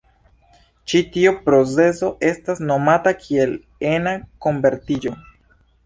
Ĉi tio procezo estas nomata kiel ena konvertiĝo.